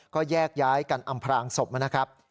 ก็แยกย้ายกันอำพรางศพนะครับ